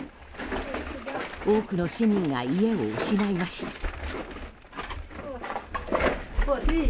多くの市民が家を失いました。